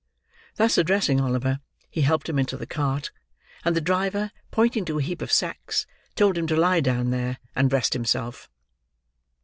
Thus addressing Oliver, he helped him into the cart; and the driver, pointing to a heap of sacks, told him to lie down there, and rest himself.